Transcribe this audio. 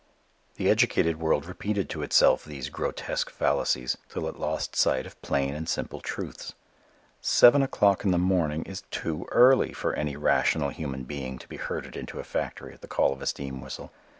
The educated world repeated to itself these grotesque fallacies till it lost sight of plain and simple truths. Seven o'clock in the morning is too early for any rational human being to be herded into a factory at the call of a steam whistle.